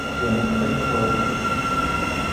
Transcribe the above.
Je mokřadní loukou.